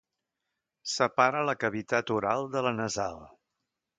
Separa la cavitat oral de la nasal.